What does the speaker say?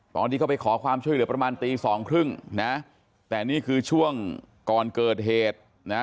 ตอนที่เขาไปขอความช่วยเหลือประมาณตีสองครึ่งนะแต่นี่คือช่วงก่อนเกิดเหตุนะ